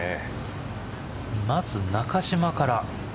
まず、中島から。